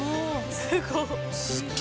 すごい。